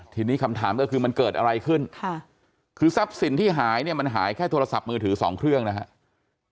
ทีนี้คำถามก็คือมันเกิดอะไรขึ้นค่ะคือทรัพย์สินที่หายเนี่ยมันหายแค่โทรศัพท์มือถือสองเครื่องนะครับ